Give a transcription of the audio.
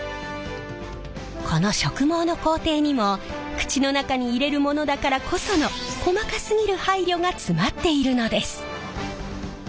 この植毛の工程にも口の中に入れるものだからこその細かすぎる配慮が詰まっているのです。